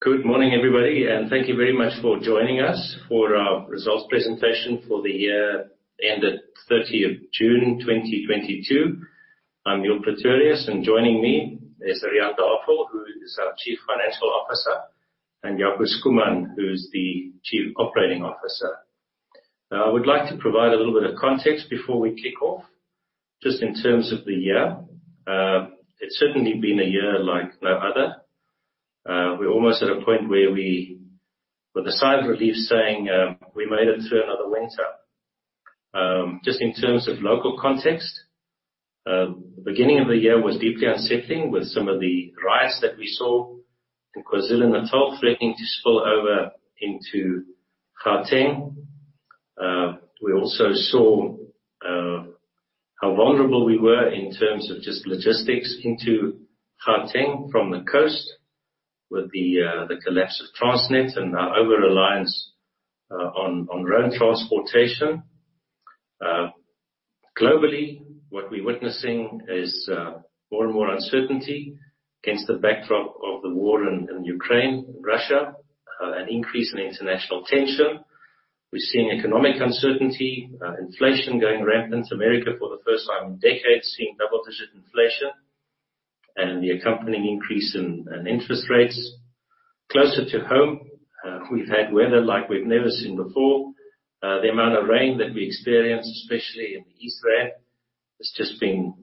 Good morning, everybody, and thank you very much for joining us for our results presentation for the year ended 30th June 2022. I'm Niël Pretorius, and joining me is Riaan Davel, who is our Chief Financial Officer, and Jaco Schoeman, who's the Chief Operating Officer. We'd like to provide a little bit of context before we kick off, just in terms of the year. It's certainly been a year like no other. We're almost at a point with a sigh of relief saying we made it through another winter. Just in terms of local context, beginning of the year was deeply unsettling with some of the riots that we saw in KwaZulu-Natal threatening to spill over into Gauteng. We also saw how vulnerable we were in terms of just logistics into Gauteng from the coast with the collapse of Transnet and our over-reliance on road transportation. Globally, what we're witnessing is more and more uncertainty against the backdrop of the war in Ukraine, Russia, an increase in international tension. We're seeing economic uncertainty, inflation going rampant. America for the first time in decades seeing double-digit inflation and the accompanying increase in interest rates. Closer to home, we've had weather like we've never seen before. The amount of rain that we experienced, especially in the East Rand, has just been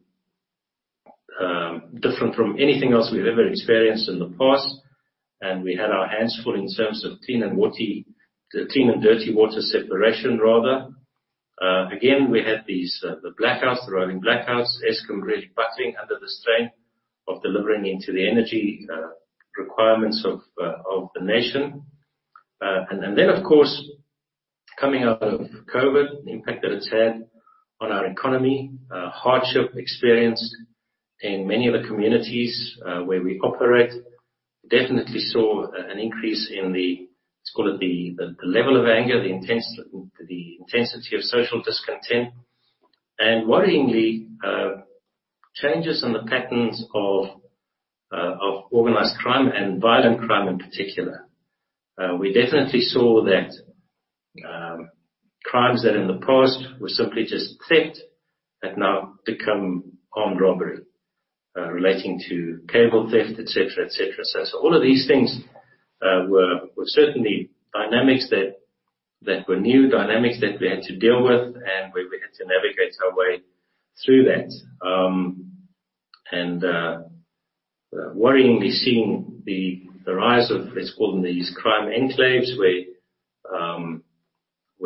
different from anything else we've ever experienced in the past. We had our hands full in terms of clean and dirty water separation rather. Again, we had these blackouts, the rolling blackouts. Eskom really battling under the strain of delivering into the energy requirements of the nation. Then, of course, coming out of COVID, the impact that it's had on our economy, hardship experienced in many of the communities where we operate. Definitely saw an increase in the, let's call it the level of anger, the intensity of social discontent. Worryingly, changes in the patterns of organized crime and violent crime in particular. We definitely saw that, crimes that in the past were simply just theft had now become armed robbery, relating to cable theft, et cetera. All of these things were certainly dynamics that were new dynamics that we had to deal with, and we had to navigate our way through that. Worryingly seeing the rise of, let's call them these crime enclaves where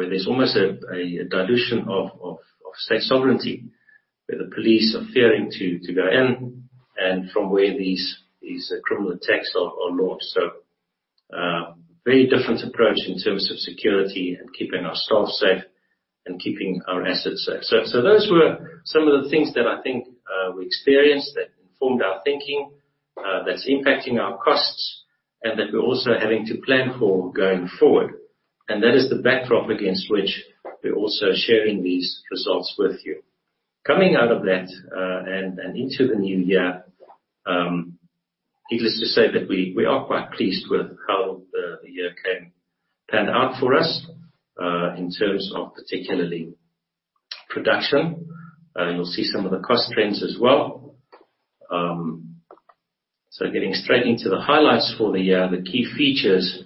there's almost a dilution of state sovereignty, where the police are fearing to go in and from where these criminal attacks are launched. Very different approach in terms of security and keeping our staff safe and keeping our assets safe. Those were some of the things that I think we experienced that informed our thinking, that's impacting our costs and that we're also having to plan for going forward. That is the backdrop against which we're also sharing these results with you. Coming out of that, and into the new year, needless to say that we are quite pleased with how the year panned out for us, in terms of particularly production. You'll see some of the cost trends as well. Getting straight into the highlights for the year, the key features. You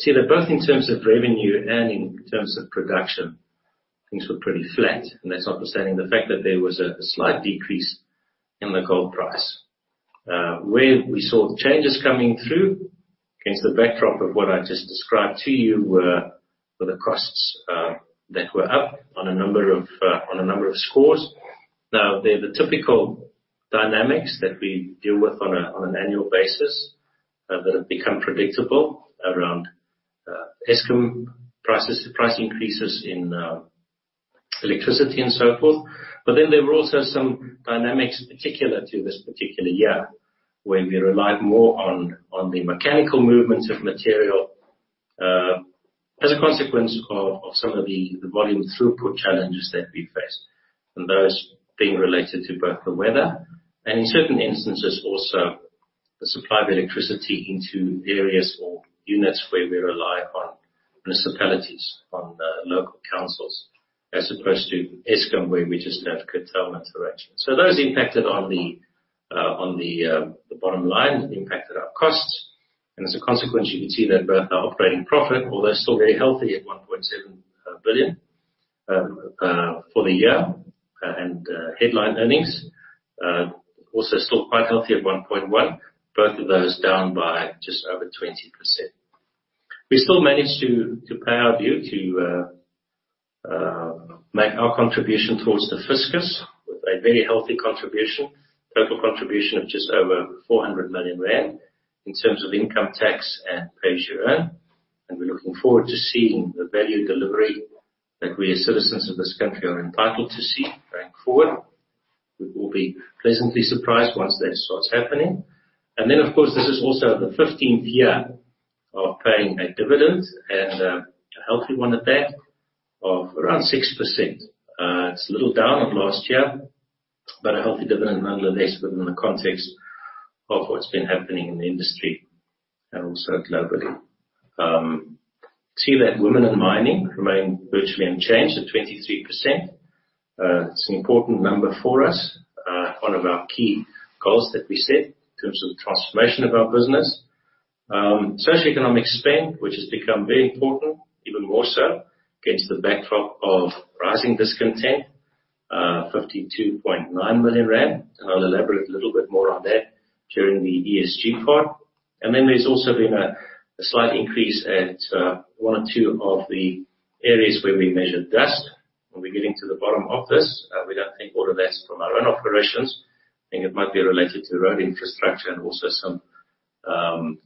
see that both in terms of revenue and in terms of production, things were pretty flat, and that's notwithstanding the fact that there was a slight decrease in the gold price. Where we saw changes coming through, against the backdrop of what I just described to you, were the costs that were up on a number of scores. Now, they're the typical dynamics that we deal with on an annual basis that have become predictable around Eskom prices, price increases in electricity and so forth. But then there were also some dynamics particular to this particular year, where we relied more on the mechanical movement of material as a consequence of some of the volume throughput challenges that we faced. Those being related to both the weather and in certain instances also the supply of electricity into various units where we rely on municipalities, on local councils, as opposed to Eskom, where we just have curtailment direction. Those impacted on the bottom line, impacted our costs. As a consequence, you can see that both our operating profit, although still very healthy at 1.7 billion for the year, and headline earnings, also still quite healthy at 1.1 billion, both of those down by just over 20%. We still managed to make our contribution towards the fiscus with a very healthy contribution. Total contribution of just over 400 million rand in terms of income tax and pay-as-you-earn. We're looking forward to seeing the value delivery that we as citizens of this country are entitled to see going forward. We will be pleasantly surprised once that starts happening. Then, of course, this is also the 15th year of paying a dividend, and a healthy one at that, of around 6%. It's a little down on last year. A healthy dividend nonetheless within the context of what's been happening in the industry and also globally. We see that women in mining remain virtually unchanged at 23%. It's an important number for us. One of our key goals that we set in terms of the transformation of our business. Socioeconomic spend, which has become very important, even more so against the backdrop of rising discontent, 52.9 million rand. I'll elaborate a little bit more on that during the ESG part. Then there's also been a slight increase at one or two of the areas where we measure dust. We're getting to the bottom of this. We don't think all of that's from our own operations. I think it might be related to road infrastructure and also some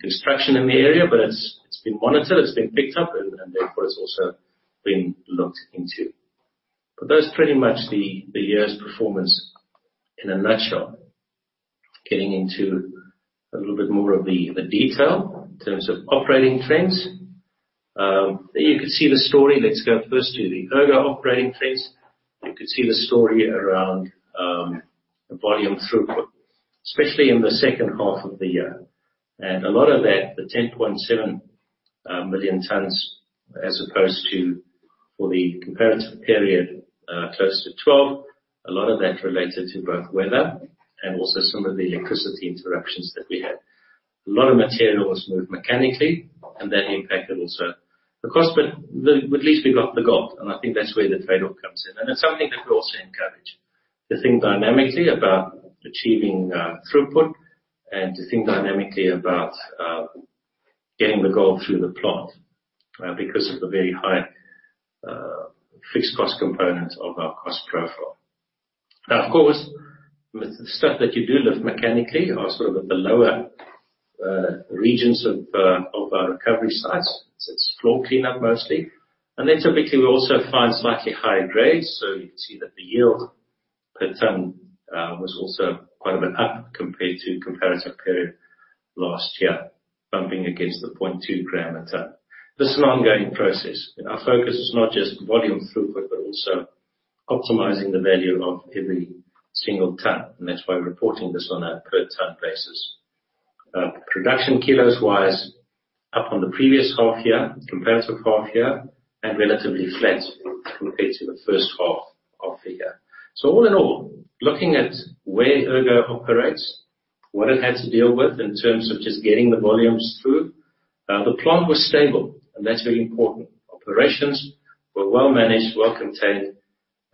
construction in the area. It's been monitored, it's been picked up, and therefore it's also being looked into. That's pretty much the year's performance in a nutshell. Getting into a little bit more of the detail in terms of operating trends. There you can see the story. Let's go first to the Ergo operating trends. You could see the story around volume throughput, especially in the second half of the year. A lot of that, the 10.7 million tons, as opposed to for the comparative period, close to 12, a lot of that related to both weather and also some of the electricity interruptions that we had. A lot of material was moved mechanically, and that impacted also the cost. At least we got the gold, and I think that's where the trade-off comes in. It's something that we also encourage, to think dynamically about achieving throughput and to think dynamically about getting the gold through the plant, because of the very high fixed cost component of our cost profile. Now, of course, the stuff that you do lift mechanically are sort of at the lower regions of our recovery sites. It's floor cleanup mostly. Then typically we also find slightly higher grades. You can see that the yield per ton was also quite a bit up compared to comparative period last year, bumping against the 0.2 gram at a time. This is an ongoing process, and our focus is not just volume throughput, but also optimizing the value of every single ton, and that's why we're reporting this on a per ton basis. Production kilos-wise, up on the previous half year, comparative half year, and relatively flat compared to the first half of the year. All in all, looking at where Ergo operates, what it had to deal with in terms of just getting the volumes through, the plant was stable, and that's very important. Operations were well managed, well contained,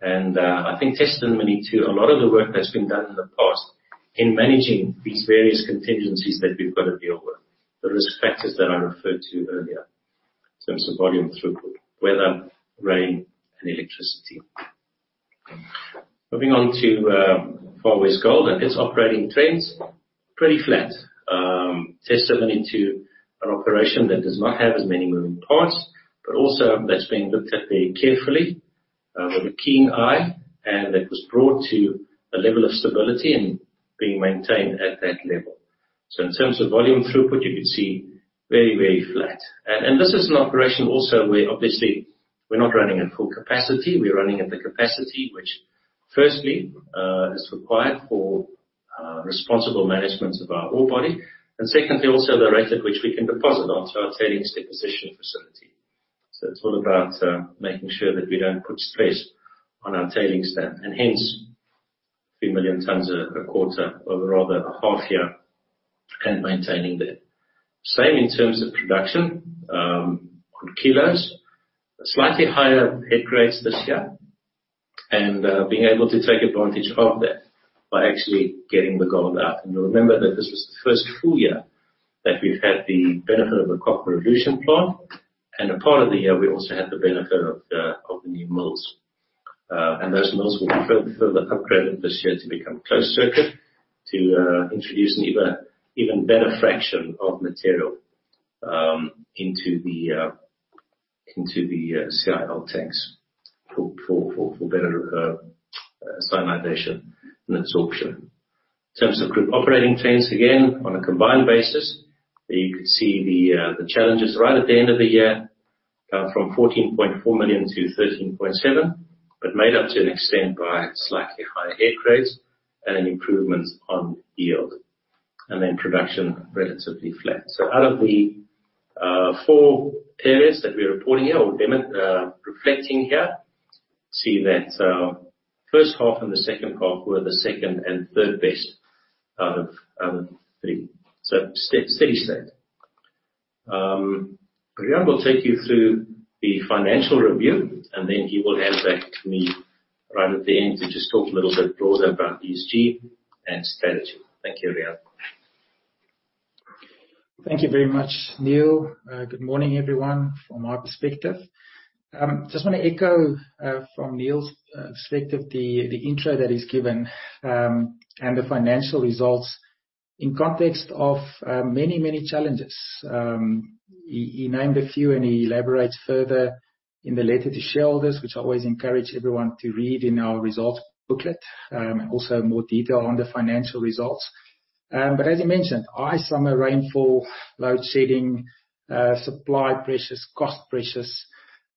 and I think testimony to a lot of the work that's been done in the past in managing these various contingencies that we've got to deal with, the risk factors that I referred to earlier in terms of volume throughput, weather, rain, and electricity. Moving on to Far West Gold and its operating trends. Pretty flat. Testimony to an operation that does not have as many moving parts, but also that's being looked at very carefully, with a keen eye and that was brought to a level of stability and being maintained at that level. In terms of volume throughput, you can see very, very flat. This is an operation also where obviously we're not running at full capacity. We're running at the capacity which firstly is required for responsible management of our ore body. Secondly, also the rate at which we can deposit onto our tailings deposition facility. It's all about making sure that we don't put stress on our tailings dam, and hence 3 million tons a quarter or rather a half year, and maintaining that. Same in terms of production, on kilos. Slightly higher head grades this year, being able to take advantage of that by actually getting the gold out. Remember that this was the first full year that we've had the benefit of a copper reduction plant. A part of the year, we also had the benefit of the new mills. Those mills will be further upgraded this year to become closed circuit to introduce an even better fraction of material into the CIL tanks for better cyanidation and absorption. In terms of group operating trends, again, on a combined basis, you could see the challenges right at the end of the year, from 14.4 million to 13.7 million, but made up to an extent by slightly higher head grades and improvements on yield, and then production relatively flat. Out of the four areas that we're reporting here or reflecting here, see that first half and the second half were the second and third best out of three. Steady state. Riaan will take you through the financial review, and then he will hand back to me right at the end to just talk a little bit broader about ESG and strategy. Thank you, Riaan. Thank you very much, Niël. Good morning, everyone, from my perspective. Just wanna echo from Niël's perspective the intro that he's given and the financial results in context of many challenges. He named a few, and he elaborates further in the letter to shareholders, which I always encourage everyone to read in our results booklet. Also more detail on the financial results. As you mentioned, high summer rainfall, load shedding, supply pressures, cost pressures.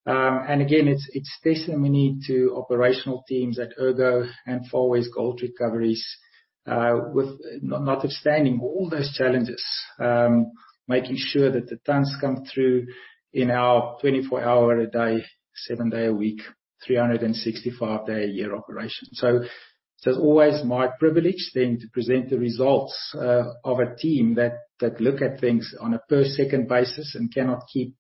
Again, it's testimony to operational teams at Ergo and Far West Gold Recoveries, notwithstanding all those challenges, making sure that the tons come through in our 24-hour a day, seven-day a week, 365-day a year operation. It's always my privilege then to present the results of a team that look at things on a per second basis and cannot take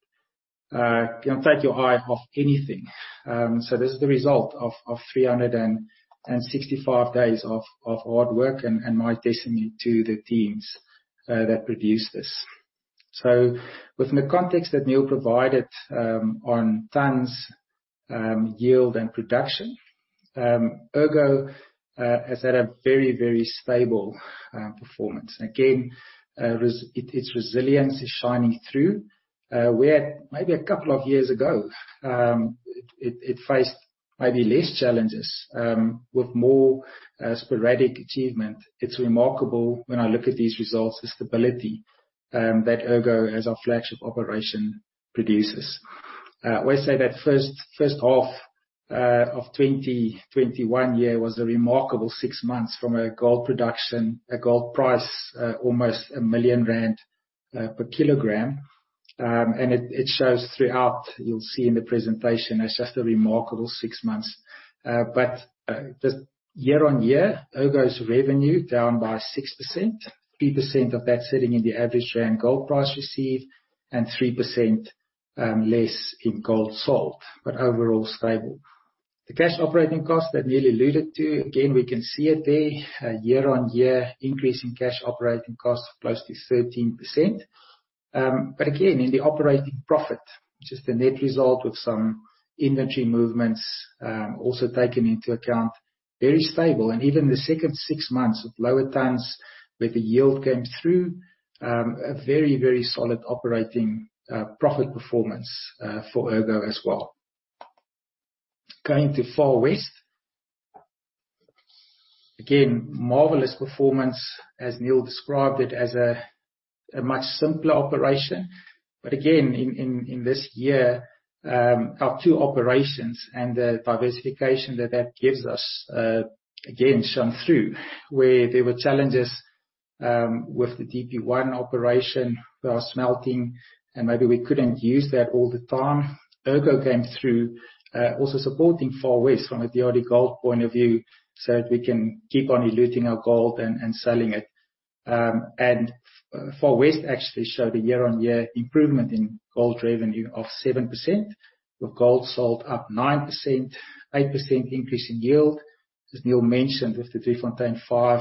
your eye off anything. This is the result of 365 days of hard work and my testimony to the teams that produced this. Within the context that Niël provided on tons, yield and production, Ergo has had a very stable performance. Again, its resilience is shining through, where maybe a couple of years ago, it faced maybe less challenges with more sporadic achievement. It's remarkable when I look at these results, the stability that Ergo as our flagship operation produces. I always say that first half of 2021 was a remarkable six months from a gold production, a gold price, almost 1 million rand per kilogram. It shows throughout. You'll see in the presentation, it's just a remarkable six months. Just year-over-year, Ergo's revenue down by 6%, 3% of that sitting in the average rand gold price received, and 3% less in gold sold, but overall stable. The cash operating cost that Niël alluded to, again, we can see it there, a year-over-year increase in cash operating costs of close to 13%. Again, in the operating profit, which is the net result with some energy movements also taken into account, very stable. Even the second six months with lower tons, where the yield came through, a very solid operating profit performance for Ergo as well. Going to Far West. Again, marvelous performance, as Niël described it as a much simpler operation. Again, in this year, our two operations and the diversification that that gives us, again shone through where there were challenges with the DP1 operation, our smelting, and maybe we couldn't use that all the time. Ergo came through, also supporting Far West from a DRDGOLD point of view, so that we can keep on eluting our gold and selling it. Far West actually showed a year-on-year improvement in gold revenue of 7%, with gold sold up 9%, 8% increase in yield. As Niël mentioned, with the Driefontein 5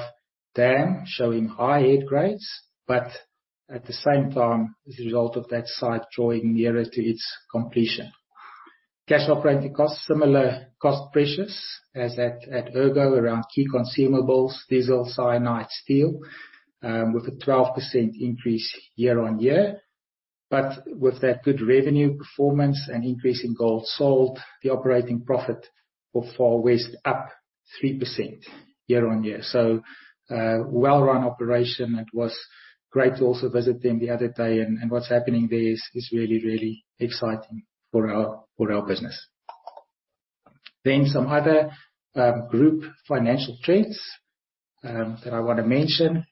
Dam showing high head grades, but at the same time, as a result of that site drawing nearer to its completion. Cash operating costs, similar cost pressures as at Ergo around key consumables, diesel, cyanide, steel, with a 12% increase year-on-year. With that good revenue performance and increase in gold sold, the operating profit for Far West up 3% year-on-year. Well run operation. It was great to also visit them the other day. What's happening there is really exciting for our business. Some other group financial trends that I wanna mention.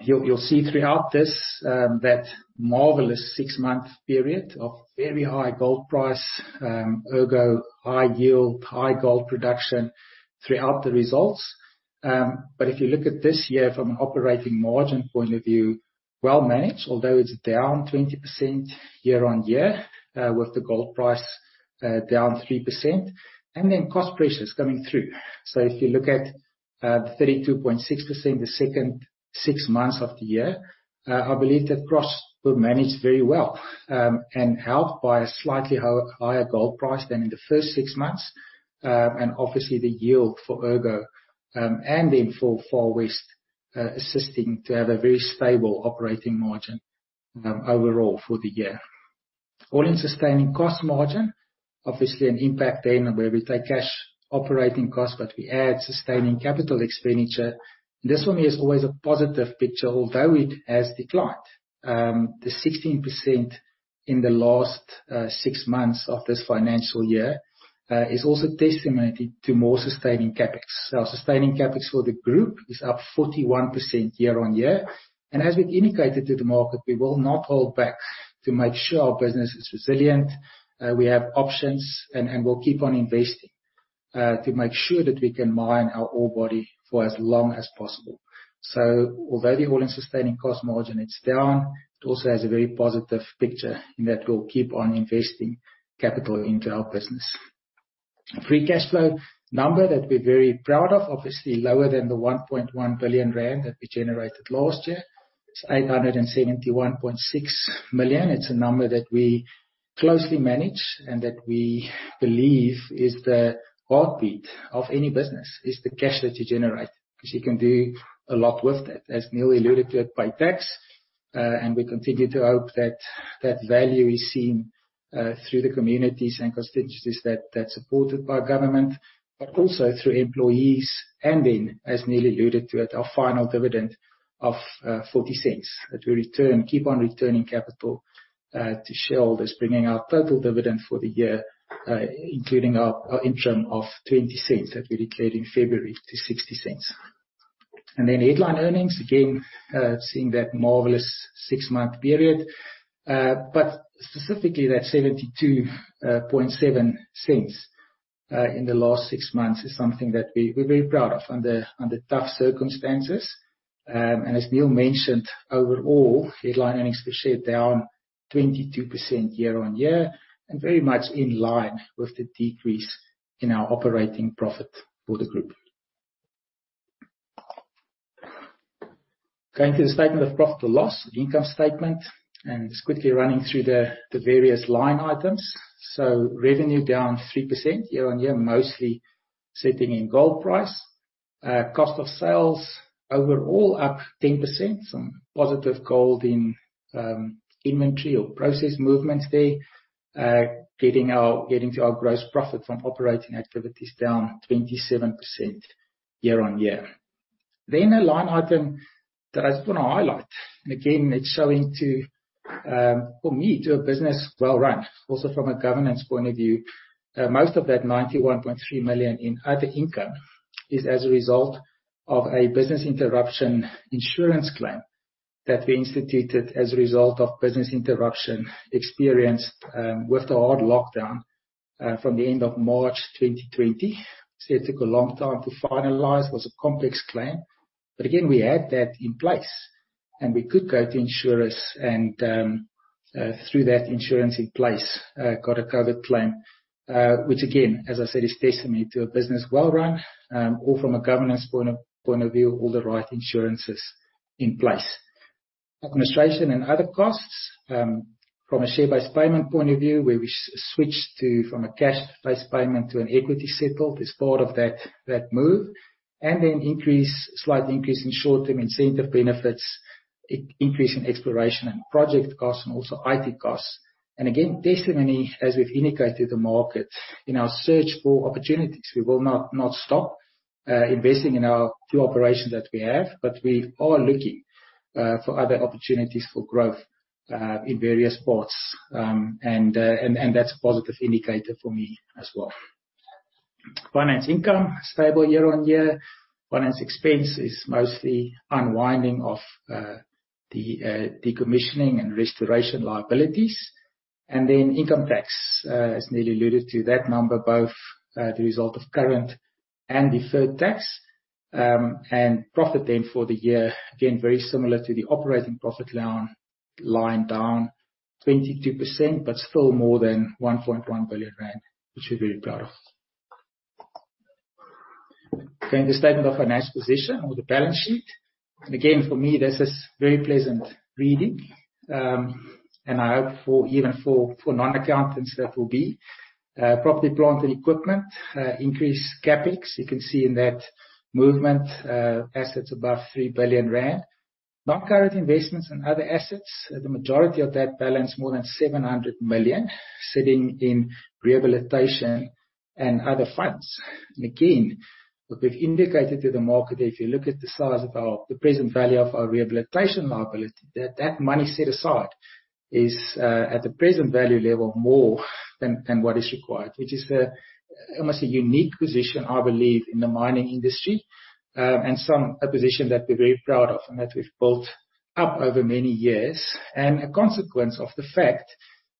You'll see throughout this that marvelous six-month period of very high gold price, Ergo high yield, high gold production throughout the results. If you look at this year from an operating margin point of view, well managed, although it's down 20% year-on-year, with the gold price down 3%, and then cost pressures coming through. If you look at the 32.6% the second six months of the year, I believe that costs were managed very well, and helped by a slightly higher gold price than in the first six months. Obviously the yield for Ergo, and then for Far West, assisting to have a very stable operating margin, overall for the year. All-in sustaining cost margin, obviously an impact then where we take cash operating costs, but we add sustaining capital expenditure. This one is always a positive picture although it has declined. The 16% in the last six months of this financial year is also testimony to more sustaining CapEx. Our sustaining CapEx for the group is up 41% year-on-year. As we've indicated to the market, we will not hold back to make sure our business is resilient, we have options and we'll keep on investing to make sure that we can mine our ore body for as long as possible. Although the all-in sustaining cost margin is down, it also has a very positive picture in that we'll keep on investing capital into our business. Free cash flow number that we're very proud of, obviously lower than the 1.1 billion rand that we generated last year. It's 871.6 million. It's a number that we closely manage and that we believe is the heartbeat of any business, is the cash that you generate, 'cause you can do a lot with it. As Niël alluded to the tax, and we continue to hope that that value is seen through the communities and constituencies that that's supported by government, but also through employees. As Niël alluded to it, our final dividend of 0.40 that we return, keep on returning capital to shareholders, bringing our total dividend for the year, including our interim of 0.20 that we declared in February to 0.60. Headline earnings, again, seeing that marvelous six-month period. But specifically that 0.727 in the last six months is something that we're very proud of under tough circumstances. As Niël mentioned, overall, headline earnings per share down 22% year-on-year, and very much in line with the decrease in our operating profit for the group. Going to the statement of profit or loss, income statement, and just quickly running through the various line items. Revenue down 3% year-on-year, mostly sitting in gold price. Cost of sales overall up 10%. Some positive gold in inventory or process movements there. Getting to our gross profit from operating activities down 27% year-on-year. A line item that I just wanna highlight, and again, it's showing, too, for me, a business well-run also from a governance point of view. Most of that 91.3 million in other income is as a result of a business interruption insurance claim that we instituted as a result of business interruption experienced with the hard lockdown from the end of March 2020. It took a long time to finalize. It was a complex claim, but again, we had that in place, and we could go to insurers and through that insurance in place got a COVID claim. Which again, as I said, is testimony to a business well-run or from a governance point of view, all the right insurances in place. Administration and other costs from a share-based payment point of view, where we switch to from a cash-based payment to an equity-settled as part of that move. Slight increase in short-term incentive benefits, increase in exploration and project costs, and also IT costs. Testament as we've indicated to the market in our search for opportunities. We will not stop investing in our few operations that we have, but we are looking for other opportunities for growth in various parts. That's a positive indicator for me as well. Finance income stable year-on-year. Finance expense is mostly unwinding of the decommissioning and restoration liabilities. Income tax, as Niël alluded to, that number both the result of current and deferred tax. Profit for the year, again very similar to the operating profit declining 22%, but still more than 1.1 billion rand, which we're very proud of. The statement of our next position or the balance sheet. Again, for me this is very pleasant reading. I hope even for non-accountants that will be. Property, plant and equipment, increased CapEx. You can see in that movement, assets above 3 billion rand. Non-current investments in other assets. The majority of that balance, more than 700 million sitting in rehabilitation and other funds. Again, what we've indicated to the market, if you look at the size of the present value of our rehabilitation liability, that money set aside is at the present value level more than what is required. Which is almost a unique position, I believe, in the mining industry. A position that we're very proud of and that we've built up over many years. A consequence of the fact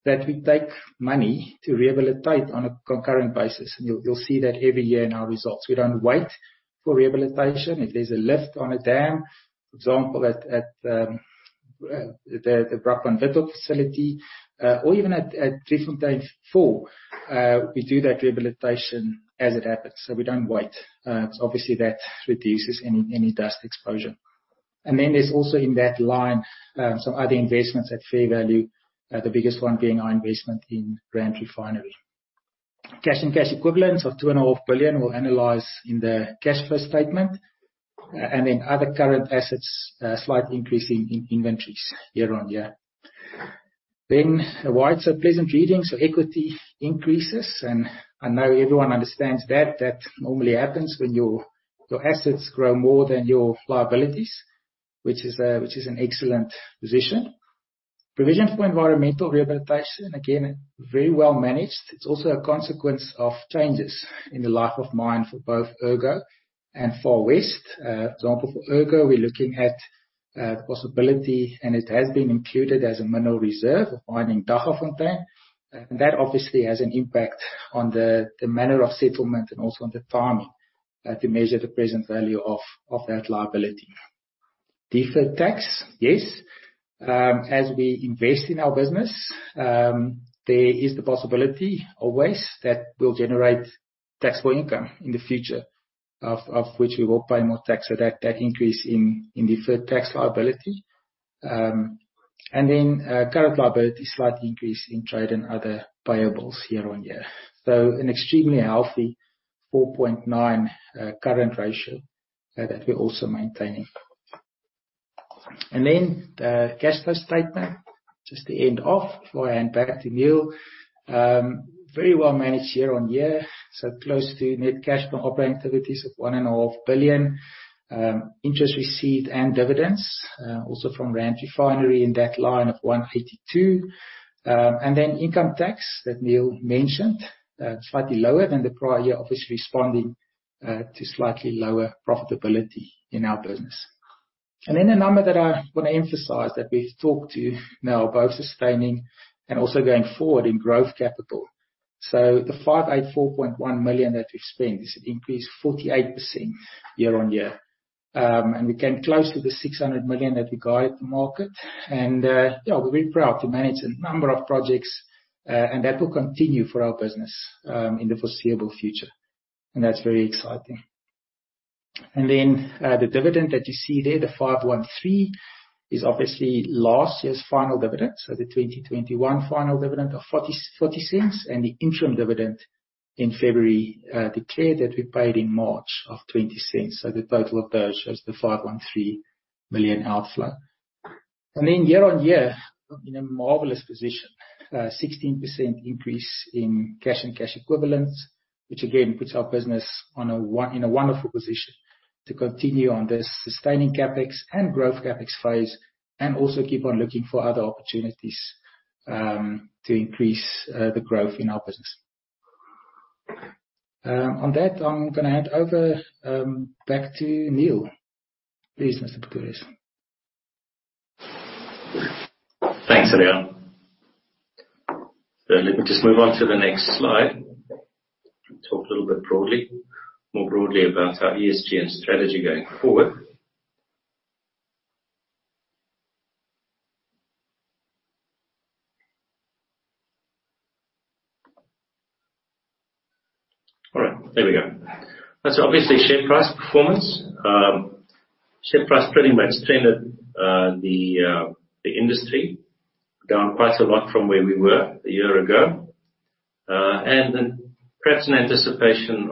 that we take money to rehabilitate on a concurrent basis. You'll see that every year in our results. We don't wait for rehabilitation. If there's a lift on a dam, for example, at the Brakpan Withok facility, or even at Driefontein 4, we do that rehabilitation as it happens, so we don't wait. So obviously that reduces any dust exposure. Then there's also in that line, some other investments at fair value, the biggest one being our investment in Rand Refinery. Cash and cash equivalents of 2.5 billion, we'll analyze in the cash flow statement. And then other current assets, a slight increase in inventories year on year. Then a wider pleasant reading. Equity increases, and I know everyone understands that that normally happens when your assets grow more than your liabilities, which is an excellent position. Provision for environmental rehabilitation, again, very well managed. It's also a consequence of changes in the life of mine for both Ergo and Far West. For example, for Ergo, we're looking at the possibility, and it has been included as a mineral reserve of mining Daggafontein. That obviously has an impact on the manner of settlement and also on the timing to measure the present value of that liability. Deferred tax, yes, as we invest in our business, there is the possibility always that we'll generate taxable income in the future, of which we will pay more tax. That increase in deferred tax liability. Current liability, slight increase in trade and other payables year-over-year. An extremely healthy 4.9 current ratio that we're also maintaining. The cash flow statement, just to end off before I hand back to Niël. Very well managed year-over-year, close to net cash from operating activities of 1.5 billion. Interest received and dividends, also from Rand Refinery in that line of 152 million. Income tax that Niël mentioned, slightly lower than the prior year, obviously responding to slightly lower profitability in our business. A number that I wanna emphasize that we've talked to now, both sustaining and also going forward in growth capital. The 584.1 million that we've spent is an increase of 48% year-over-year. We came close to the 600 million that we guided the market. We're very proud to manage a number of projects, and that will continue for our business in the foreseeable future, and that's very exciting. The dividend that you see there, the 513 million, is obviously last year's final dividend. The 2021 final dividend of 0.44, and the interim dividend in February, declared that we paid in March of 0.20. The total of those shows the 513 million outflow. Year-on-year, we're in a marvelous position. 16% increase in cash and cash equivalents, which again, puts our business in a wonderful position to continue on this sustaining CapEx and growth CapEx phase, and also keep on looking for other opportunities to increase the growth in our business. On that, I'm gonna hand over back to Niël. Please, Mr. Pretorius. Thanks, Riaan. Let me just move on to the next slide. Talk a little bit broadly, more broadly about our ESG and strategy going forward. All right, there we go. That's obviously share price performance. Share price pretty much trended the industry down quite a lot from where we were a year ago. Perhaps in anticipation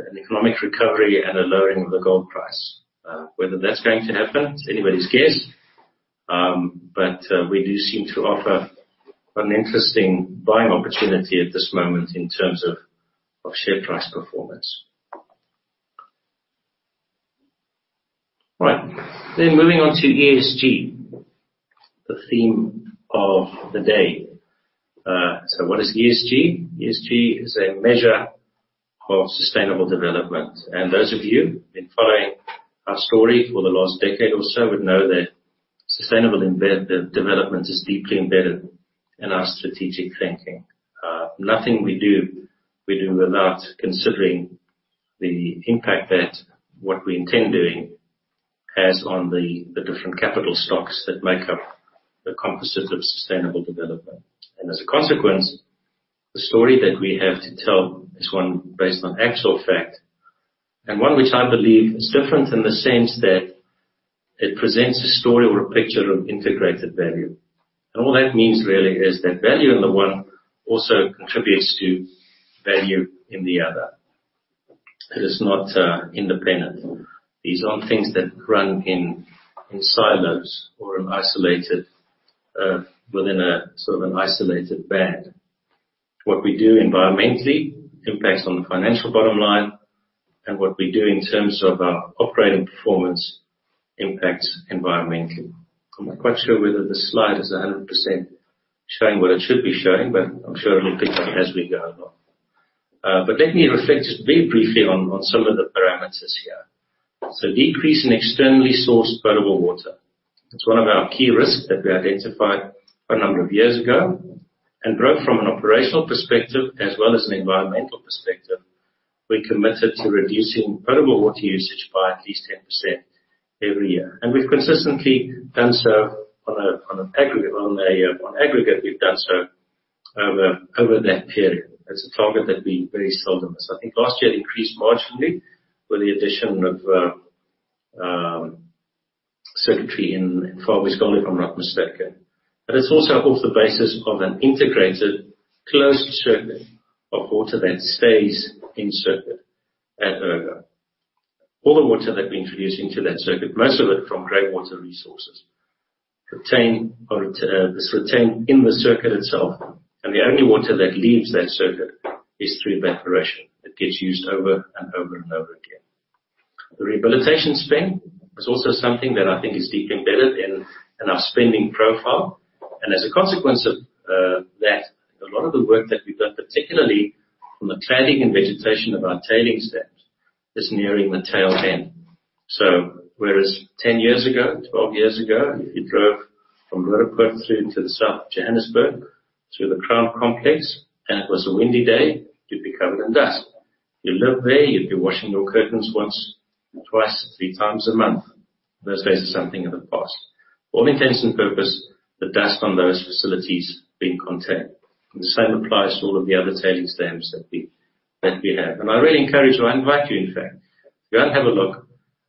of an economic recovery and a lowering of the gold price. Whether that's going to happen is anybody's guess. We do seem to offer an interesting buying opportunity at this moment in terms of share price performance. All right. Moving on to ESG, the theme of the day. What is ESG? ESG is a measure of sustainable development. Those of you been following our story for the last decade or so would know that sustainable development is deeply embedded in our strategic thinking. Nothing we do without considering the impact that what we intend doing has on the different capital stocks that make up the composite of sustainable development. As a consequence, the story that we have to tell is one based on actual fact, and one which I believe is different in the sense that it presents a story or a picture of integrated value. All that means really is that value in the one also contributes to value in the other. It is not independent. These aren't things that run in silos or in isolated within a sort of an isolated band. What we do environmentally impacts on the financial bottom line, and what we do in terms of our operating performance impacts environmentally. I'm not quite sure whether this slide is 100% showing what it should be showing, but I'm sure it'll pick up as we go along. Let me reflect just very briefly on some of the parameters here. Decrease in externally sourced potable water. It's one of our key risks that we identified quite a number of years ago. Both from an operational perspective as well as an environmental perspective, we're committed to reducing potable water usage by at least 10% every year. We've consistently done so on an aggregate over that period. That's a target that we very seldom miss. I think last year it increased marginally with the addition of circuitry in Far West Gold Recoveries, if I'm not mistaken. It's also off the basis of an integrated closed circuit of water that stays in circuit at Ergo. All the water that we introduce into that circuit, most of it from groundwater resources, retained or is retained in the circuit itself, and the only water that leaves that circuit is through evaporation. It gets used over and over and over again. The rehabilitation spend is also something that I think is deeply embedded in our spending profile. As a consequence of that, a lot of the work that we've done, particularly from the cladding and vegetation of our tailings dams, is nearing the tail end. Whereas 10 years ago, 12 years ago, if you drove from Roodepoort through to the south of Johannesburg, through the Crown complex, and it was a windy day, you'd be covered in dust. If you lived there, you'd be washing your curtains once, twice, three times a month. Those days are something of the past. To all intents and purposes, the dust on those facilities being contained. The same applies to all of the other tailings dams that we have. I really encourage you, I invite you, in fact, go and have a look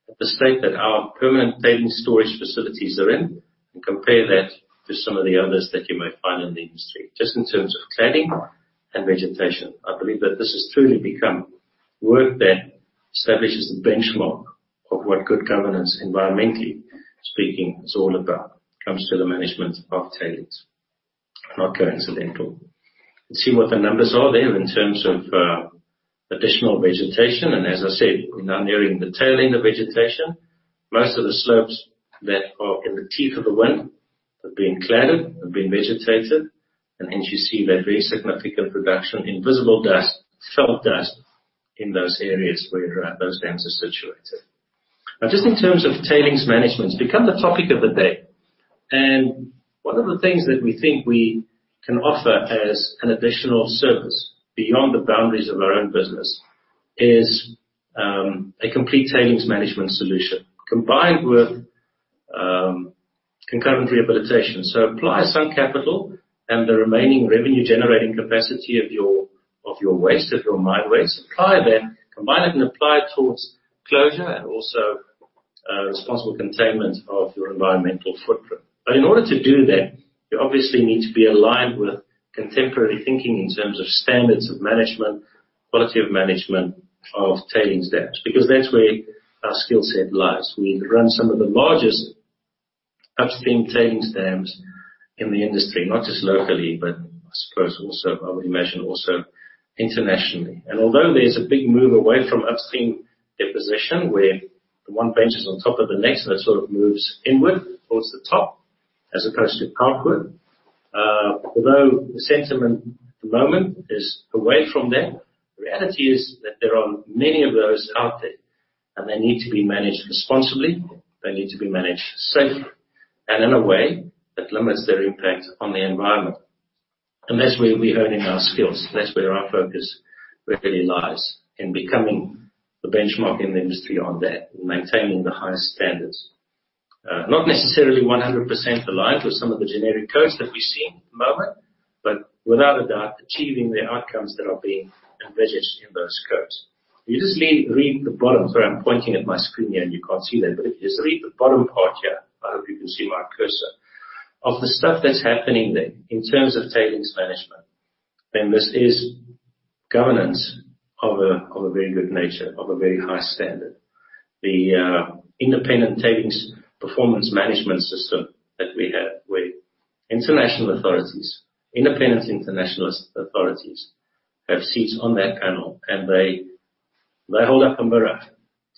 at the state that our permanent tailings storage facilities are in and compare that to some of the others that you may find in the industry, just in terms of cladding and vegetation. I believe that this has truly become work that establishes the benchmark of what good governance, environmentally speaking, is all about when it comes to the management of tailings. Not coincidental. You can see what the numbers are there in terms of additional vegetation. We're now nearing the tail end of vegetation. Most of the slopes that are in the teeth of the wind have been cladded, have been vegetated, and hence you see that very significant reduction in visible dust, felt dust in those areas where those dams are situated. Now, just in terms of tailings management. It's become the topic of the day, and one of the things that we think we can offer as an additional service beyond the boundaries of our own business is a complete tailings management solution combined with concurrent rehabilitation. Apply some capital and the remaining revenue-generating capacity of your mine waste. Apply that, combine it, and apply it towards closure and also responsible containment of your environmental footprint. In order to do that, you obviously need to be aligned with contemporary thinking in terms of standards of management, quality of management of tailings dams, because that's where our skill set lies. We run some of the largest upstream tailings dams in the industry, not just locally, but I suppose also, I would imagine, internationally. Although there's a big move away from upstream deposition, where the one bench is on top of the next, and it sort of moves inward towards the top as opposed to downward. Although the sentiment at the moment is away from that, the reality is that there are many of those out there, and they need to be managed responsibly. They need to be managed safely and in a way that limits their impact on the environment. That's where we earn in our skills. That's where our focus really lies, in becoming the benchmark in the industry on that and maintaining the highest standards. Not necessarily 100% aligned with some of the generic codes that we see at the moment, but without a doubt, achieving the outcomes that are being envisaged in those codes. If you just read the bottom. Sorry, I'm pointing at my screen here, and you can't see that. If you just read the bottom part here, I hope you can see my cursor. Of the stuff that's happening there in terms of tailings management, this is governance of a very good nature, of a very high standard. The independent tailings performance management system that we have with international authorities. Independent international authorities have seats on that panel, and they hold up a mirror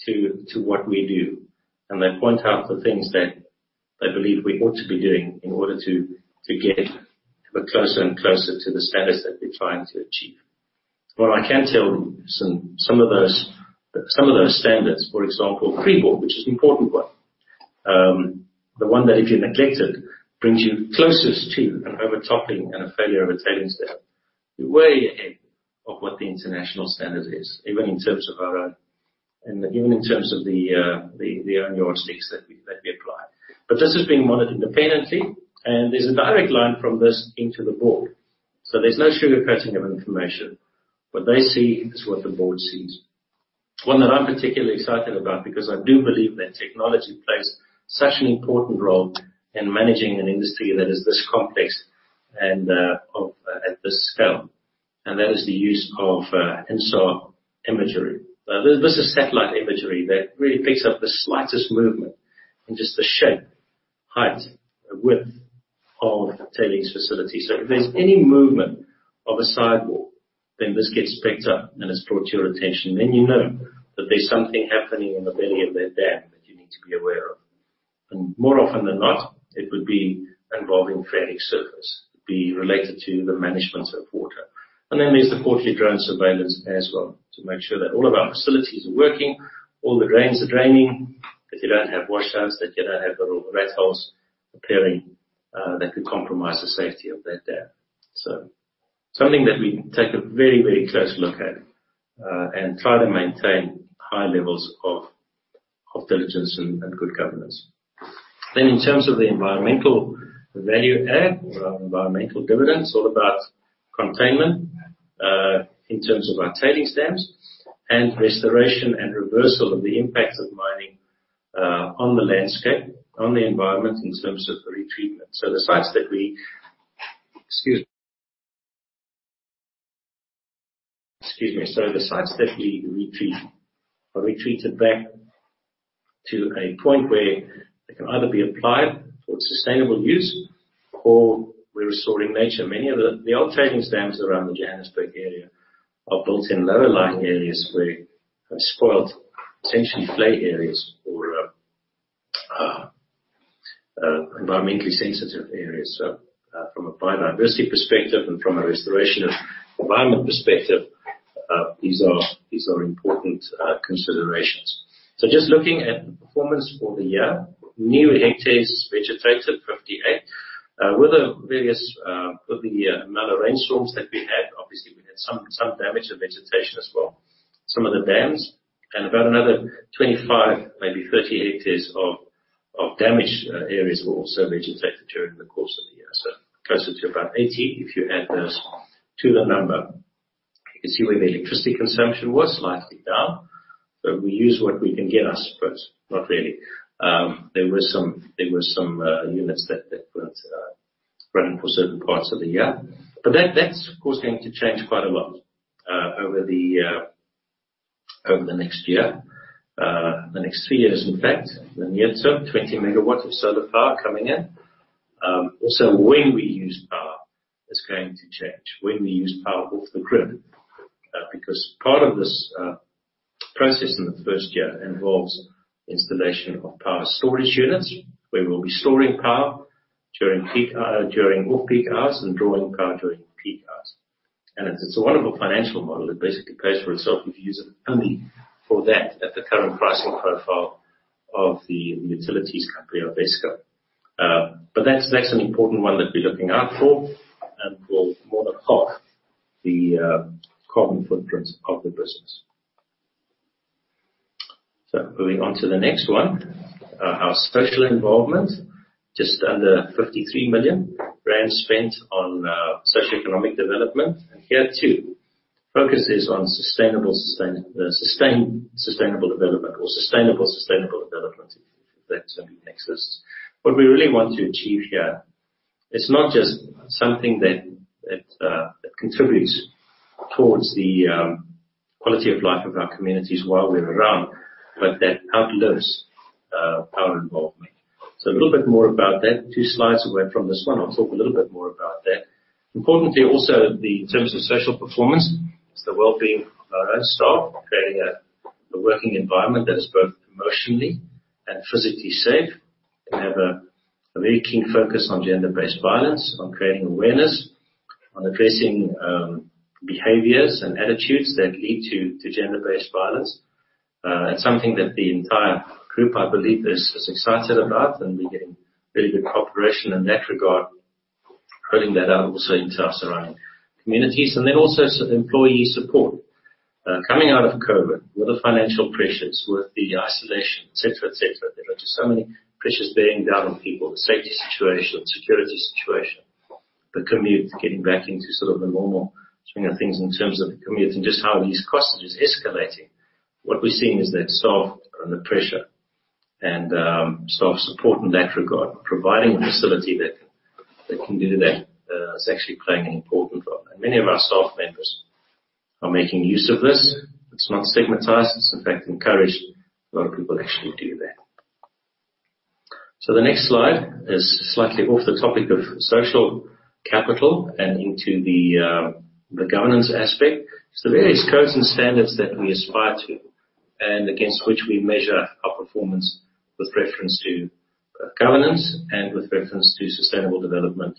to what we do. They point out the things that they believe we ought to be doing in order to get closer and closer to the status that we're trying to achieve. What I can tell you is some of those standards, for example, freeboard, which is an important one. The one that if you neglect it, brings you closest to an overtopping and a failure of a tailings dam. We're way ahead of what the international standard is, even in terms of our own. Even in terms of the own yardsticks that we apply. This is being monitored independently, and there's a direct line from this into the board. There's no sugarcoating of information. What they see is what the board sees. One that I'm particularly excited about because I do believe that technology plays such an important role in managing an industry that is this complex and of at this scale, and that is the use of InSAR imagery. This is satellite imagery that really picks up the slightest movement in just the shape, height, and width of a tailings facility. If there's any movement of a sidewall, then this gets picked up, and it's brought to your attention. You know that there's something happening in the belly of that dam that you need to be aware of. More often than not, it would be involving phreatic surface, be related to the management of water. Then there's the quarterly drone surveillance as well to make sure that all of our facilities are working, all the drains are draining, that you don't have washdowns, that you don't have little rat holes appearing, that could compromise the safety of that dam. Something that we take a very, very close look at, and try to maintain high levels of diligence and good governance. In terms of the environmental value add or our environmental dividends, all about containment, in terms of our tailings dams and restoration and reversal of the impacts of mining, on the landscape, on the environment in terms of the retreatment. The sites that we retreat are retreated back to a point where they can either be applied for sustainable use or we're restoring nature. Many of the old tailings dams around the Johannesburg area are built in lower-lying areas where they've spoiled potentially flat areas or environmentally sensitive areas. From a biodiversity perspective and from a restoration of environment perspective, these are important considerations. Just looking at the performance for the year. New hectares vegetated, 58 hectares. With the various amount of rainstorms that we had, obviously we had some damage to vegetation as well. Some of the dams and about another 25 hectares, maybe 30 hectares of damaged areas were also vegetated during the course of the year. Closer to about 80 hectares if you add those to the number. You can see where the electricity consumption was slightly down, but we use what we can get, I suppose. Not really. There were some units that weren't running for certain parts of the year. That's of course going to change quite a lot over the next year. The next three years, in fact. You had some 20 MW of solar power coming in. When we use power is going to change. When we use power off the grid, because part of this process in the first year involves installation of power storage units, where we'll be storing power during off-peak hours and drawing power during peak hours. It's a wonderful financial model. It basically pays for itself if you use it only for that at the current pricing profile of the utilities company of Eskom. But that's an important one that we're looking out for and will more than half the carbon footprint of the business. Moving on to the next one. Our social involvement, just under 53 million rand spent on socio-economic development. Here too, focus is on sustainable development. If that makes sense. What we really want to achieve here, it's not just something that contributes towards the quality of life of our communities while we're around, but that outlives our involvement. A little bit more about that. Two slides away from this one, I'll talk a little bit more about that. Importantly also, the terms of social performance is the wellbeing of our own staff. Creating a working environment that is both emotionally and physically safe. We have a very keen focus on gender-based violence, on creating awareness, on addressing behaviors and attitudes that lead to gender-based violence. It's something that the entire group, I believe is excited about, and we're getting very good cooperation in that regard, rolling that out also into our surrounding communities. Then also some employee support. Coming out of COVID with the financial pressures, with the isolation, et cetera. There were just so many pressures bearing down on people. The safety situation, security situation, the commute, getting back into sort of the normal swing of things in terms of the commute and just how these costs are just escalating. What we're seeing is that staff are under pressure and staff support in that regard. Providing a facility that can do that is actually playing an important role. Many of our staff members are making use of this. It's not stigmatized. It's in fact encouraged. A lot of people actually do that. The next slide is slightly off the topic of social capital and into the governance aspect. There are these codes and standards that we aspire to and against which we measure our performance with reference to governance and with reference to sustainable development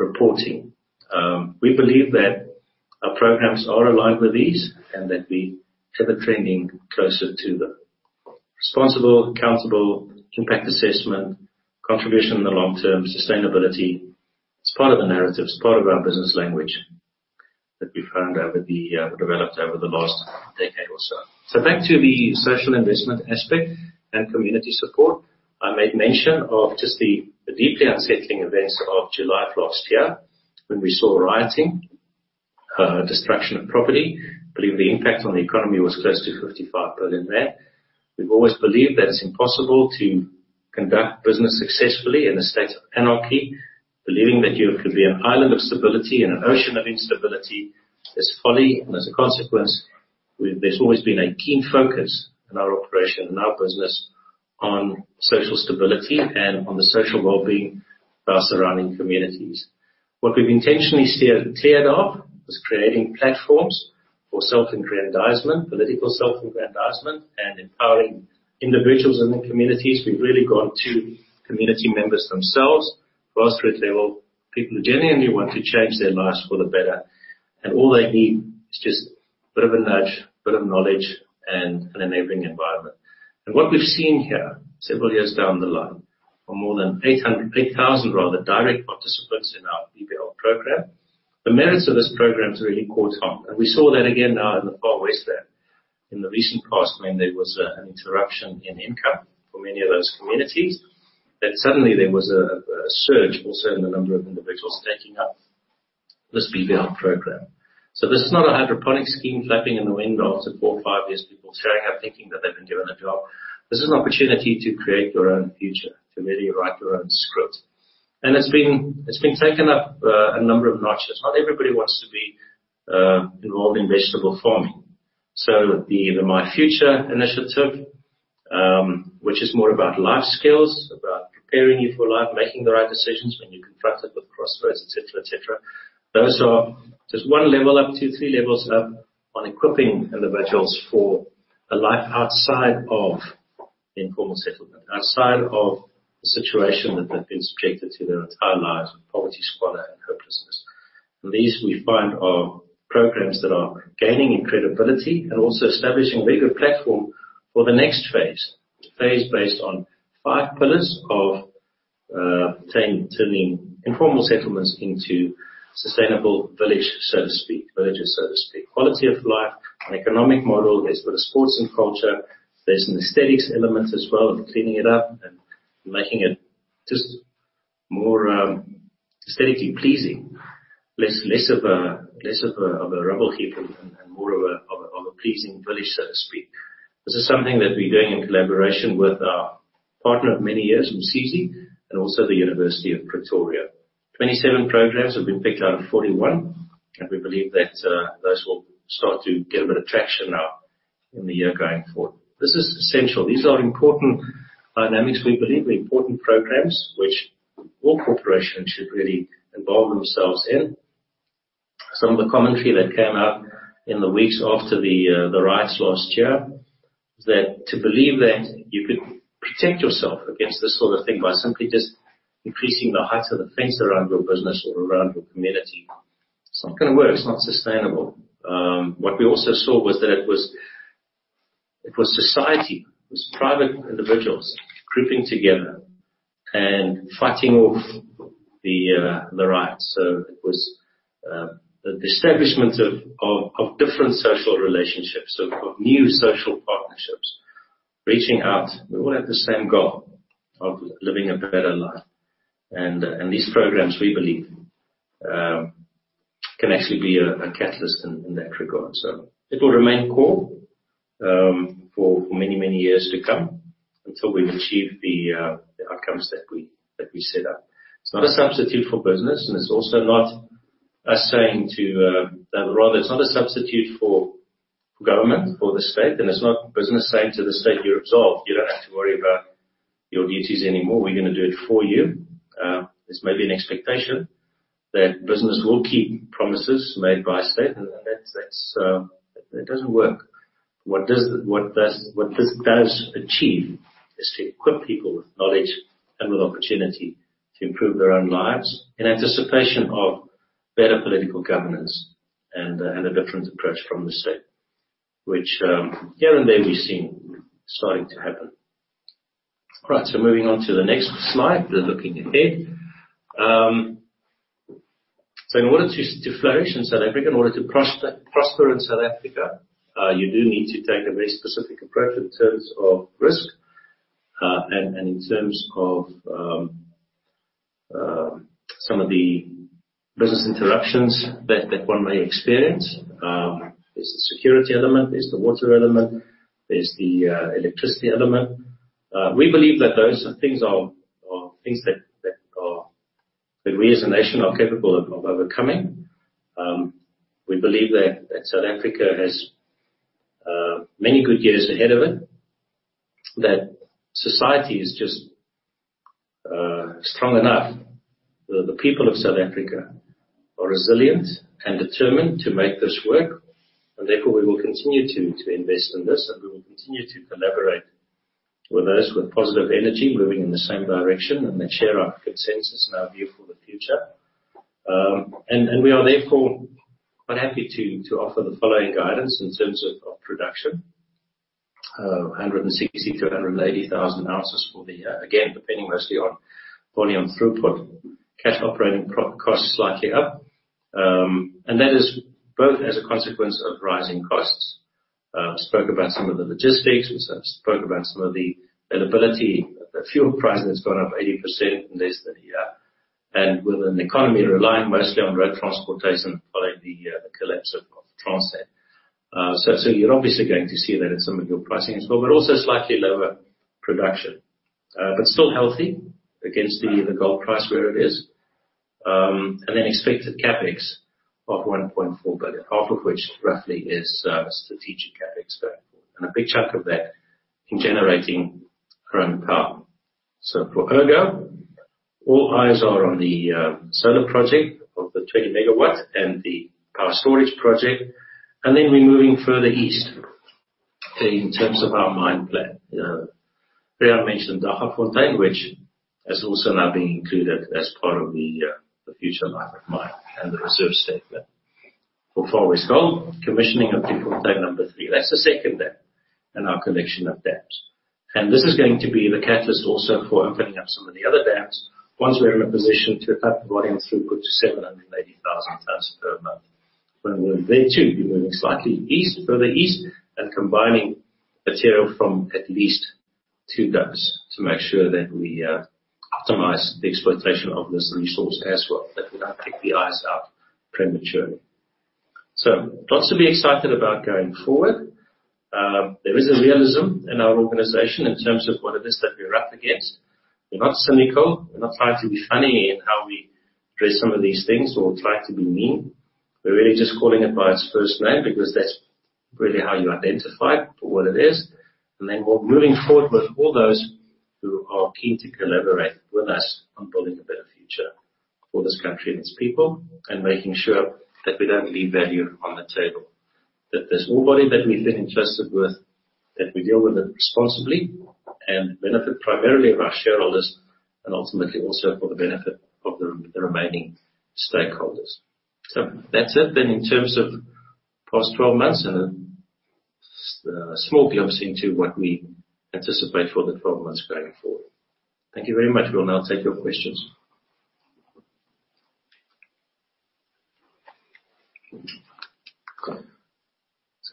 reporting. We believe that our programs are aligned with these and that we have a trending closer to the responsible, accountable impact assessment, contribution in the long term, sustainability. It's part of the narrative. It's part of our business language that we developed over the last decade or so. Back to the social investment aspect and community support. I made mention of just the deeply unsettling events of July of last year when we saw rioting, destruction of property. I believe the impact on the economy was close to 55 billion there. We've always believed that it's impossible to conduct business successfully in a state of anarchy. Believing that you can be an island of stability in an ocean of instability is folly. As a consequence, there's always been a keen focus in our operation, in our business, on social stability and on the social wellbeing of our surrounding communities. What we've intentionally steered clear of is creating platforms for self-aggrandizement, political self-aggrandizement, and empowering individuals in the communities. We've really gone to community members themselves, grassroots level, people who genuinely want to change their lives for the better, and all they need is just a bit of a nudge, a bit of knowledge, and an enabling environment. What we've seen here several years down the line, for more than 800, 8,000 rather, direct participants in our BBL program. The merits of this program has really caught on, and we saw that again now in the Far West there. In the recent past, when there was an interruption in income for many of those communities, that suddenly there was a surge also in the number of individuals taking up this BBL program. This is not a hydroponic scheme flapping in the wind after 4 years or 5 years, people turning up thinking that they've been given a job. This is an opportunity to create your own future, to really write your own script. It's been taken up a number of notches. Not everybody wants to be involved in vegetable farming. The My Future initiative, which is more about life skills, about preparing you for life, making the right decisions when you're confronted with crossroads, et cetera, et cetera. Those are just one level up, two, three levels up on equipping individuals for a life outside of the informal settlement, outside of the situation that they've been subjected to their entire lives of poverty, squalor, and hopelessness. These we find are programs that are gaining in credibility and also establishing a very good platform for the next phase based on five pillars of turning informal settlements into sustainable villages, so to speak. Quality of life, an economic model. There's a bit of sports and culture. There's an aesthetics element as well, and cleaning it up and making it just more aesthetically pleasing. Less of a rubble heap and more of a pleasing village, so to speak. This is something that we're doing in collaboration with our partner of many years, Umsizi, and also the University of Pretoria. 27 programs have been picked out of 41, and we believe that those will start to get a bit of traction now in the year going forward. This is essential. These are important dynamics, we believe, important programs which all corporations should really involve themselves in. Some of the commentary that came out in the weeks after the riots last year is that to believe that you could protect yourself against this sort of thing by simply just increasing the height of the fence around your business or around your community, it's not gonna work. It's not sustainable. What we also saw was that it was society. It was private individuals grouping together and fighting off the riots. It was the establishment of different social relationships, of new social partnerships reaching out. We all have the same goal of living a better life. These programs, we believe, can actually be a catalyst in that regard. It will remain core for many years to come until we've achieved the outcomes that we set out. It's not a substitute for government or the state, and it's not business saying to the state, "You're absolved. You don't have to worry about your duties anymore. We're gonna do it for you." This may be an expectation that business will keep promises made by state. That doesn't work. What this does achieve is to equip people with knowledge and with opportunity to improve their own lives in anticipation of better political governance and a different approach from the state, which here and there we've seen starting to happen. All right, moving on to the next slide. We're looking ahead. In order to flourish in South Africa, in order to prosper in South Africa, you do need to take a very specific approach in terms of risk and in terms of some of the business interruptions that one may experience. There's the security element, there's the water element, there's the electricity element. We believe that those are things that we as a nation are capable of overcoming. We believe that South Africa has many good years ahead of it, that society is just strong enough, that the people of South Africa are resilient and determined to make this work, and therefore we will continue to invest in this. We will continue to collaborate with those with positive energy, moving in the same direction and that share our consensus and our view for the future. We are therefore quite happy to offer the following guidance in terms of production. 160,000 ounces-180,000 ounces for the, again, depending mostly on volume throughput. Cash operating costs slightly up. That is both as a consequence of rising costs. We spoke about some of the logistics. We spoke about some of the availability. The fuel price has gone up 80% in less than a year. With an economy relying mostly on road transportation following the collapse of Transnet. You're obviously going to see that in some of your pricing as well, but also slightly lower production. Still healthy against the gold price where it is. Expected CapEx of 1.4 billion, half of which roughly is strategic CapEx spend. A big chunk of that in generating our own power. For Ergo, all eyes are on the solar project of the 20 MW and the power storage project. We're moving further east in terms of our mine plan. You know, Riaan mentioned Daggafontein, which is also now being included as part of the future life of mine and the reserve statement. For Far West Gold Recoveries, commissioning of Driefontein 3. That's the second dam in our collection of dams. This is going to be the catalyst also for opening up some of the other dams once we're in a position to up volume throughput to 780,000 tons per month. When we're there too, we're moving slightly east, further east and combining material from at least two dumps to make sure that we optimize the exploitation of this resource as well, that we don't pick the eyes out prematurely. Lots to be excited about going forward. There is a realism in our organization in terms of what it is that we're up against. We're not cynical. We're not trying to be funny in how we address some of these things or trying to be mean. We're really just calling it by its first name because that's really how you identify it for what it is. Then we're moving forward with all those who are keen to collaborate with us on building a better future for this country and its people and making sure that we don't leave value on the table. That there's ore body that we've been entrusted with, that we deal with it responsibly and benefit primarily our shareholders and ultimately also for the benefit of the remaining stakeholders. That's it then in terms of past twelve months and a small glimpse into what we anticipate for the twelve months going forward. Thank you very much. We'll now take your questions.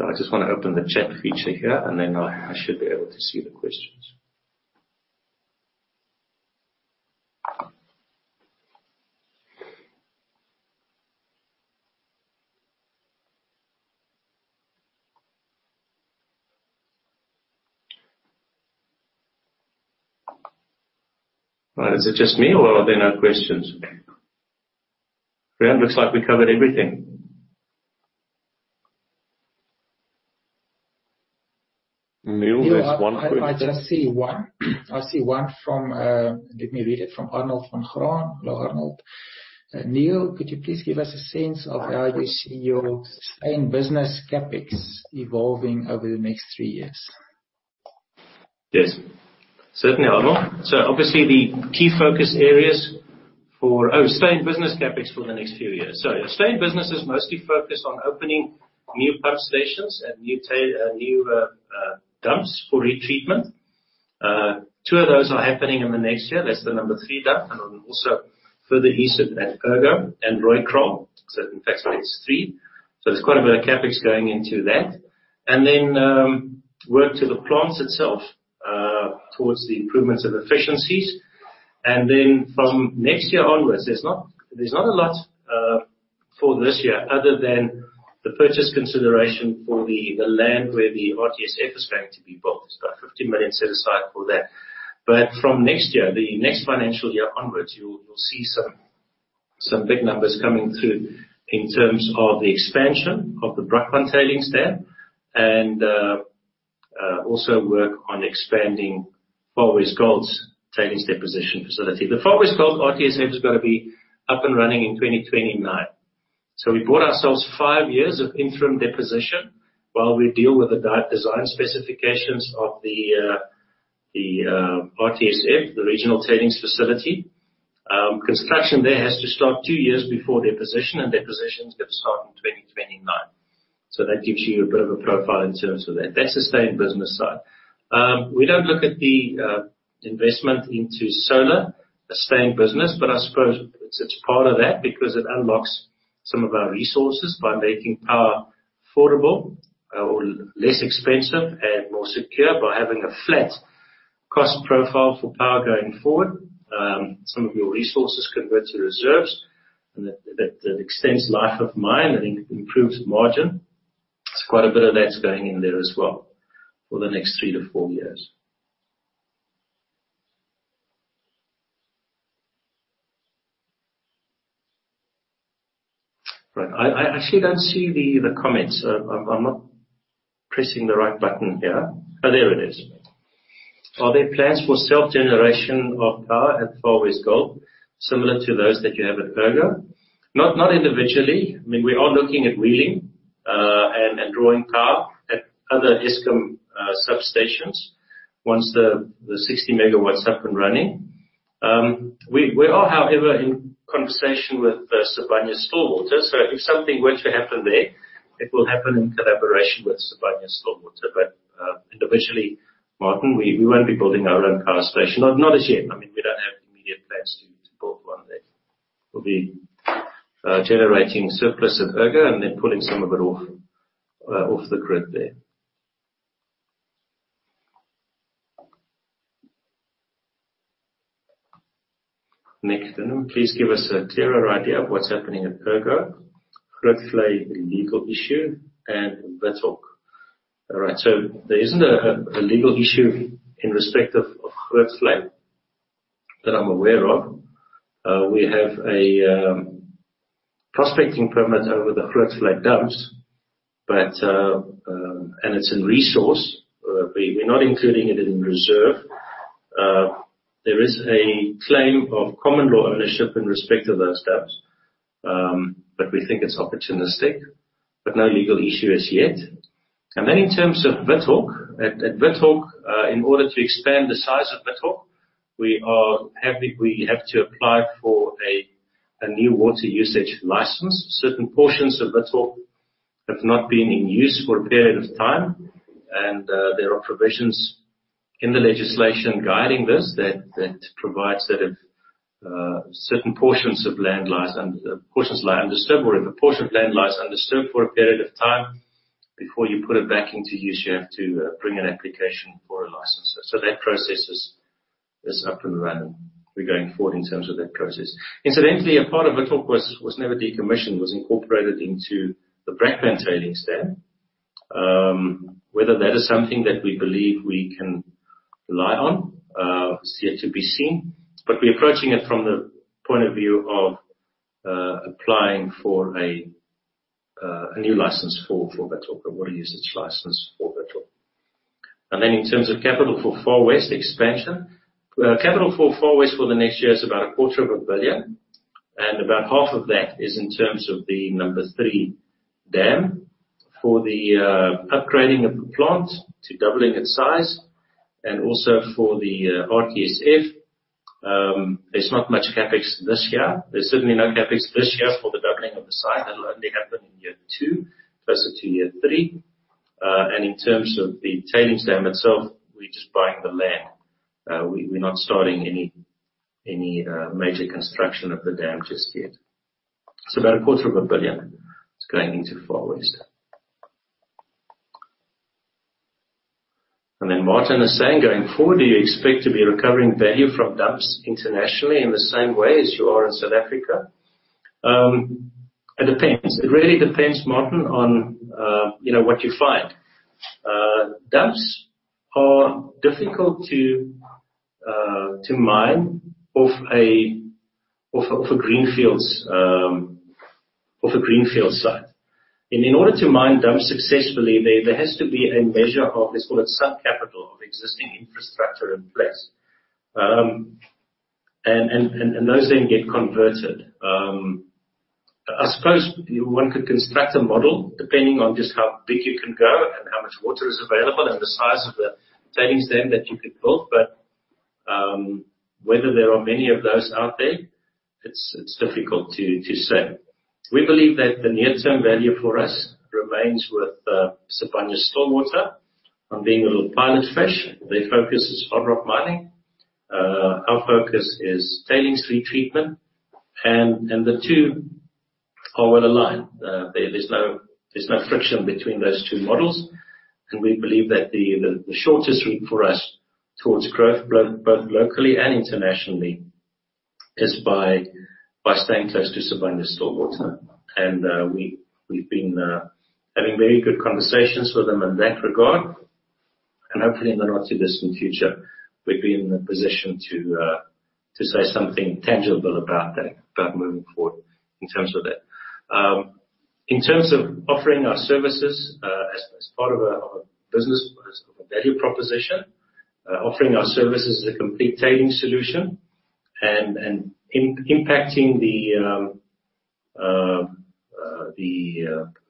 I just wanna open the chat feature here, and then I should be able to see the questions. Well, is it just me or are there no questions? Riaan, looks like we covered everything. Niël, there's one question. Yeah. I just see one. I see one from, let me read it, from Arnold van Graan. Hello, Arnold. Niël, could you please give us a sense of how you see your same business CapEx evolving over the next three years? Yes. Certainly, Arnold. Obviously the key focus areas for sustaining business CapEx for the next few years. Sustaining business is mostly focused on opening new pump stations and new dumps for retreatment. Two of those are happening in the next year. That's the number three dump, and then also further east at Ergo and Roycroft. In fact it's three. There's quite a bit of CapEx going into that. Then, work to the plants itself towards the improvements of efficiencies. Then from next year onwards, there's not a lot for this year other than the purchase consideration for the land where the RTSF is going to be built. There's about 15 million set aside for that. From next year, the next financial year onwards, you'll see some big numbers coming through in terms of the expansion of the Brakpan tailings dam and also work on expanding Far West Gold Recoveries' tailings deposition facility. The Far West Gold Recoveries RTSF has gotta be up and running in 2029. We bought ourselves five years of interim deposition while we deal with the design specifications of the RTSF, the regional tailings facility. Construction there has to start two years before deposition, and deposition gotta start in 2029. That gives you a bit of a profile in terms of that. That's the staying business side. We don't look at the investment into solar, the staying business, but I suppose it's part of that because it unlocks some of our resources by making power affordable or less expensive and more secure by having a flat cost profile for power going forward. Some of your resources convert to reserves and that extends life of mine and improves margin. There's quite a bit of that's going in there as well for the next three years-four years. Right. I actually don't see the comments. I'm not pressing the right button here. Oh, there it is. Are there plans for self-generation of power at Far West Gold Recoveries similar to those that you have at Ergo? Not individually. I mean, we are looking at wheeling and drawing power at other Eskom substations once the 60 MW up and running. We are, however, in conversation with Sibanye-Stillwater. If something were to happen there, it will happen in collaboration with Sibanye-Stillwater. Individually, Martin, we won't be building our own power station. Not as yet. I mean, we don't have immediate plans to build one there. We'll be generating surplus at Ergo and then pulling some of it off the grid there. Next. Please give us a clearer idea of what's happening at Ergo, Grootvlei legal issue and Withok. All right. There isn't a legal issue in respect of Grootvlei that I'm aware of. We have a prospecting permit over the Grootvlei dumps, and it's in resource. We're not including it in reserve. There is a claim of common law ownership in respect of those dumps, but we think it's opportunistic. No legal issue as yet. In terms of Withok. At Withok, in order to expand the size of Withok, we have to apply for a new water use license. Certain portions of Withok have not been in use for a period of time, and there are provisions in the legislation guiding this that provides that if certain portions of land lie undisturbed or if a portion of land lies undisturbed for a period of time, before you put it back into use, you have to bring an application for a license. That process is up and running. We're going forward in terms of that process. Incidentally, a part of Withok was never decommissioned, was incorporated into the Brakpan tailings storage facility. Whether that is something that we believe we can rely on is yet to be seen. We're approaching it from the point of view of applying for a new license for Withok, a water usage license for Withok. In terms of capital for Far West expansion. Capital for Far West for the next year is about a quarter of a billion ZAR, and about half of that is in terms of the number three dam. For the upgrading of the plant to doubling its size and also for the RTSF. There's not much CapEx this year. There's certainly no CapEx this year for the doubling of the site. That'll only happen in year two versus to year three. In terms of the tailings dam itself, we're just buying the land. We're not starting any major construction of the dam just yet. It's about a quarter of a billion ZAR that's going into Far West. Martin is saying, "Going forward, do you expect to be recovering value from dumps internationally in the same way as you are in South Africa?" It depends. It really depends, Martin, on, you know, what you find. Dumps are difficult to mine off a greenfield site. In order to mine dumps successfully, there has to be a measure of, let's call it some capital of existing infrastructure in place. And those then get converted. I suppose one could construct a model depending on just how big you can go and how much water is available and the size of the tailings dam that you could build. But whether there are many of those out there, it's difficult to say. We believe that the near-term value for us remains with Sibanye-Stillwater on being a little pilot fish. Their focus is hard rock mining. Our focus is tailings retreatment. The two are well aligned. There's no friction between those two models. We believe that the shortest route for us towards growth both locally and internationally is by staying close to Sibanye-Stillwater. We've been having very good conversations with them in that regard. Hopefully in the not-too-distant future we'll be in a position to say something tangible about that, about moving forward in terms of that. In terms of offering our services as part of a business as a value proposition, offering our services as a complete tailings solution and impacting the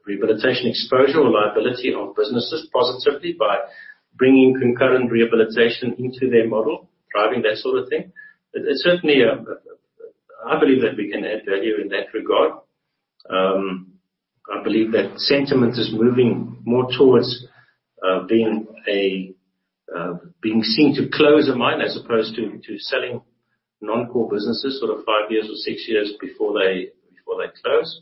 rehabilitation exposure or liability of businesses positively by bringing concurrent rehabilitation into their model, driving that sort of thing. There's certainly. I believe that we can add value in that regard. I believe that sentiment is moving more towards being seen to close a mine as opposed to selling non-core businesses sort of five years or six years before they close.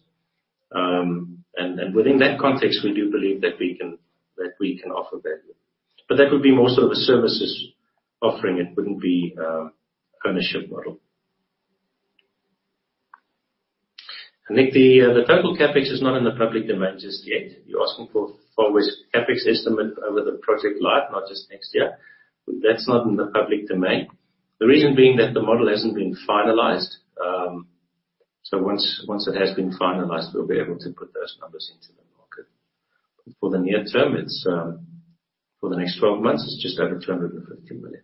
Within that context, we do believe that we can offer value. That would be more so the services offering. It wouldn't be ownership model. Nick, the total CapEx is not in the public domain just yet. You're asking for Far West CapEx estimate over the project life, not just next year. That's not in the public domain. The reason being that the model hasn't been finalized. Once it has been finalized, we'll be able to put those numbers into the market. For the near term, for the next 12 months, it's just over 250 million.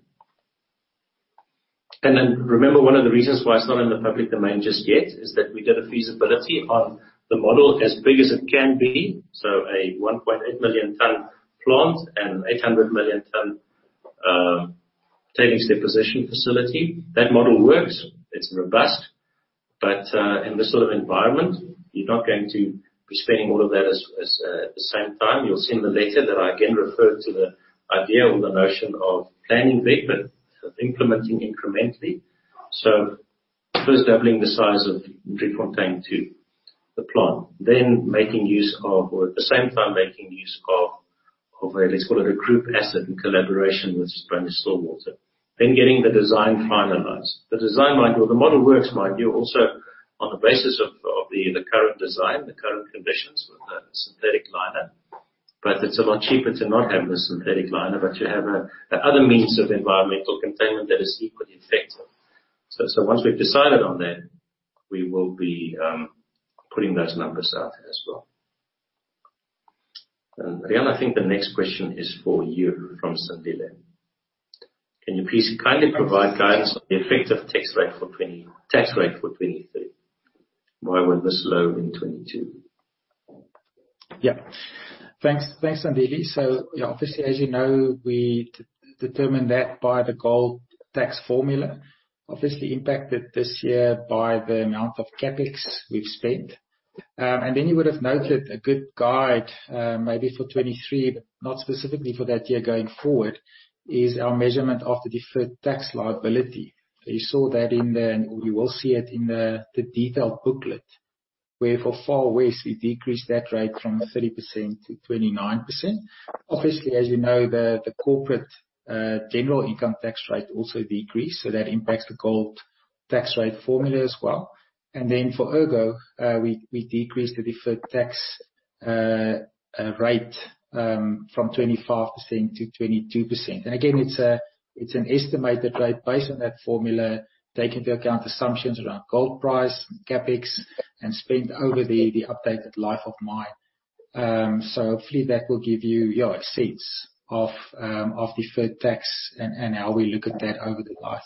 Then remember, one of the reasons why it's not in the public domain just yet is that we did a feasibility on the model as big as it can be. A 1.8 million ton plant and 800 million ton tailings deposition facility. That model works. It's robust. In this sort of environment, you're not going to be spending all of that at the same time. You'll see in the letter that I again refer to the idea or the notion of planning big, but implementing incrementally. First doubling the size of Driefontein to the plant, then making use of or at the same time making use of a, let's call it a group asset in collaboration with Sibanye-Stillwater. Getting the design finalized. Or the model works, mind you, also on the basis of the current design, the current conditions with a synthetic liner. It's a lot cheaper to not have the synthetic liner, but you have another means of environmental containment that is equally effective. Once we've decided on that, we will be putting those numbers out there as well. Riaan, I think the next question is for you from Sandile. "Can you please kindly provide guidance on the effective tax rate for 2023? Why was this low in 2022? Thanks, Sandile. Yeah, obviously, as you know, we determine that by the gold tax formula. Obviously impacted this year by the amount of CapEx we've spent. Then you would've noted a good guide, maybe for 2023, but not specifically for that year going forward, is our measurement of the deferred tax liability. You saw that in or you will see it in the detailed booklet, where for Far West we decreased that rate from 30%-29%. Obviously, as you know, the corporate general income tax rate also decreased, so that impacts the gold tax rate formula as well. For Ergo, we decreased the deferred tax rate from 25%-22%. Again, it's an estimated rate based on that formula, taking into account assumptions around gold price from CapEx and spend over the updated life of mine. So hopefully that will give you, yeah, a sense of deferred tax and how we look at that over the life.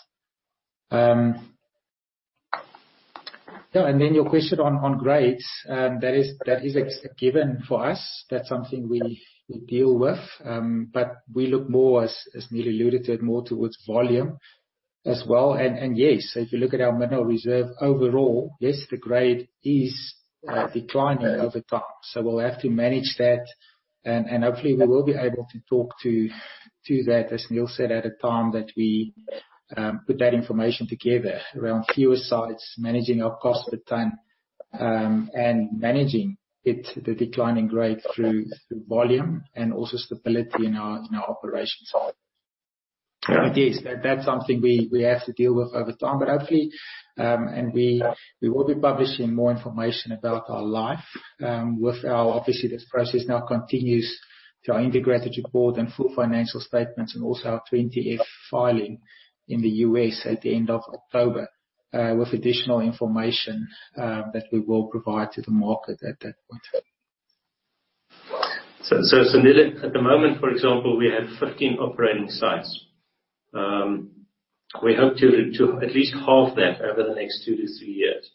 Yeah, then your question on grades, that is a given for us. That's something we deal with. But we look more, as Niël alluded to it, more towards volume as well. Yes, if you look at our mineral reserve overall, the grade is declining over time. We'll have to manage that and hopefully we will be able to talk to that, as Niël said, at a time that we put that information together around fewer sites, managing our cost per ton, and managing the declining grade through volume and also stability in our operation side. But yes, that's something we have to deal with over time. But hopefully, and we will be publishing more information about our life with our. Obviously, this process now continues through our integrated report and full financial statements and also our 20-F filing in the US at the end of October with additional information that we will provide to the market at that point. Niël, at the moment, for example, we have 15 operating sites. We hope to at least halve that over the next two years-three years.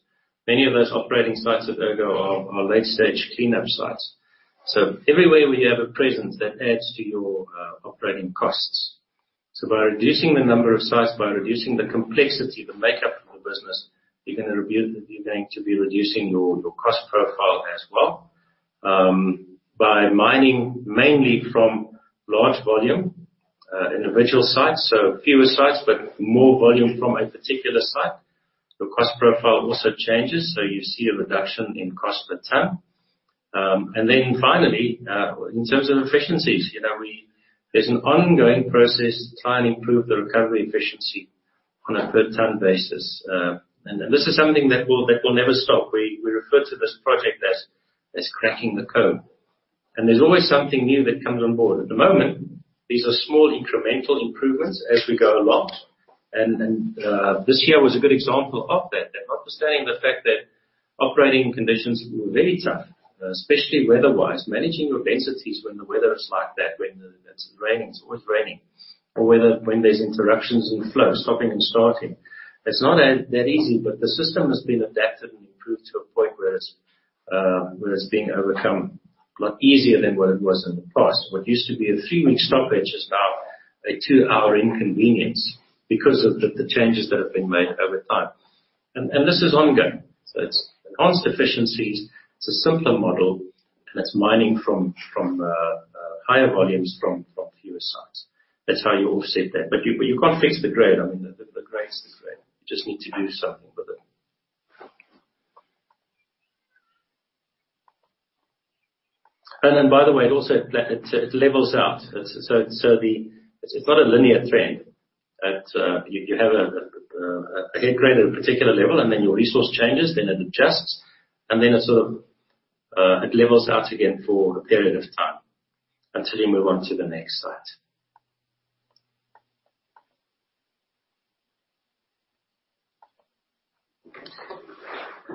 Many of those operating sites at Ergo are late-stage cleanup sites. Everywhere we have a presence that adds to your operating costs. By reducing the number of sites, by reducing the complexity, the makeup of the business, you're gonna you're going to be reducing your cost profile as well. By mining mainly from large volume individual sites, fewer sites but more volume from a particular site. The cost profile also changes, so you see a reduction in cost per ton. In terms of efficiencies, you know, there's an ongoing process to try and improve the recovery efficiency on a per ton basis. This is something that will never stop. We refer to this project as cracking the code. There's always something new that comes on board. At the moment, these are small incremental improvements as we go along, this year was a good example of that. Notwithstanding the fact that operating conditions were very tough, especially weather-wise. Managing your densities when the weather is like that, when it's raining, it's always raining. Or when there's interruptions in flow, stopping and starting. It's not that easy, but the system has been adapted and improved to a point where it's being overcome a lot easier than what it was in the past. What used to be a three-week stoppage is now a two-hour inconvenience because of the changes that have been made over time. This is ongoing. It's enhanced efficiencies, it's a simpler model, and it's mining from higher volumes from fewer sites. That's how you offset that. You can't fix the grade. I mean, the grade is the grade. You just need to do something with it. By the way, it levels out. It's not a linear trend. You have a head grade at a particular level, and then your resource changes, then it adjusts, and then it sort of it levels out again for a period of time until you move on to the next site.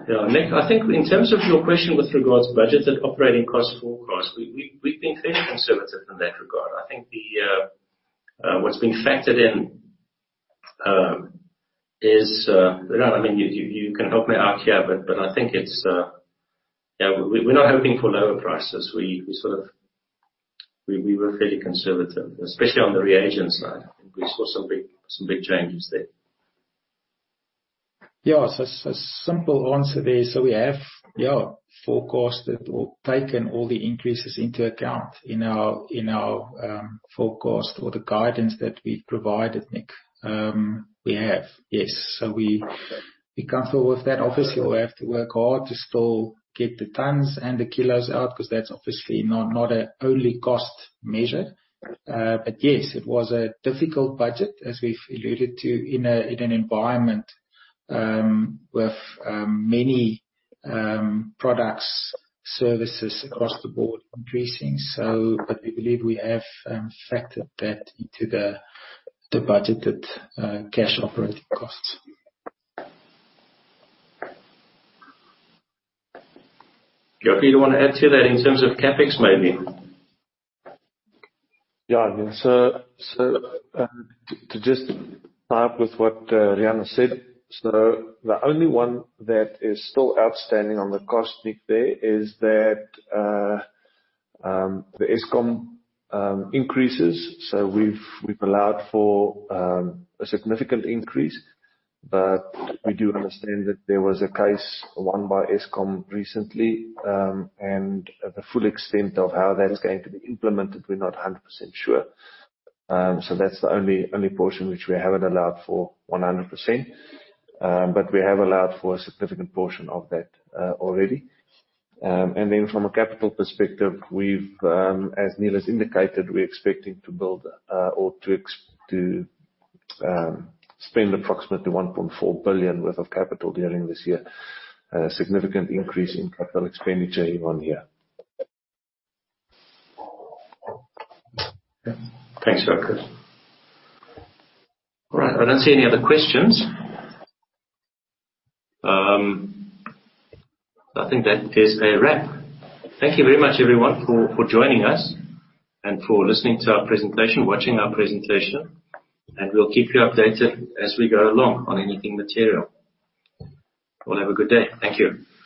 Yeah, Nick, I think in terms of your question with regards to budgeted operating costs, full costs, we've been fairly conservative in that regard. I think what's been factored in is Riaan. I mean, you can help me out here, but I think it's yeah, we're not hoping for lower prices. We were fairly conservative, especially on the reagent side. I think we saw some big changes there. Yeah. A simple answer there. We have forecasted or taken all the increases into account in our forecast or the guidance that we've provided, Nick. We have. We're comfortable with that. Obviously, we'll have to work hard to still get the tons and the kilos out, 'cause that's obviously not a only cost measure. Yes, it was a difficult budget, as we've alluded to in an environment with many products, services across the board increasing. We believe we have factored that into the budgeted cash operating costs. Jaco, do you wanna add to that in terms of CapEx maybe? I mean, to just tie up with what Riaan said. The only one that is still outstanding on the cost, Nick, is the Eskom increases. We've allowed for a significant increase, but we do understand that there was a case won by Eskom recently, and the full extent of how that is going to be implemented, we're not 100% sure. That's the only portion which we haven't allowed for 100%. We have allowed for a significant portion of that already. From a capital perspective, as Niël has indicated, we're expecting to spend approximately 1.4 billion worth of capital during this year. A significant increase in capital expenditure in one year. Yeah. Thanks, Jaco. All right. I don't see any other questions. I think that is a wrap. Thank you very much everyone for joining us and for listening to our presentation, watching our presentation, and we'll keep you updated as we go along on anything material. Well, have a good day. Thank you.